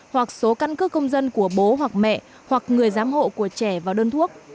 hoặc số căn cước công dân của bố hoặc mẹ hoặc người giám hộ của trẻ vào đơn thuốc